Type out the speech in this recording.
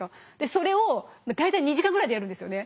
それを大体２時間ぐらいでやるんですよね。